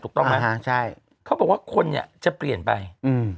ถูกต้องไหมอ่าใช่เขาบอกว่าคนเนี้ยจะเปลี่ยนไปอืม